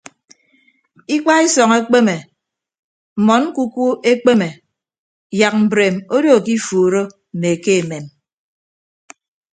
Ikpaisọñ ekpeme mmọn ñkuku ekpeme yak mbreem odo ke ifuuro mme ke emem.